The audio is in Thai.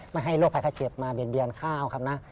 ไม่ให้โรคภัยไข้เจ็บมาเบียนข้าวครับนะ